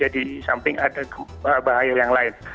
di samping ada bahaya yang lain